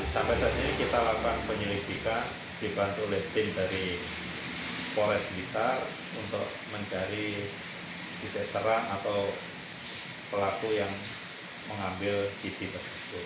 sampai saat ini kita lakukan penyelidikan dibantu oleh tim dari polres blitar untuk mencari titik terang atau pelaku yang mengambil gigi tersebut